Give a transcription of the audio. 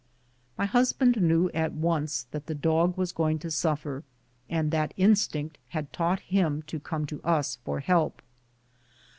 My husband knew at once that the dog was going to suffer, and that instinct had taught him to come to us for help.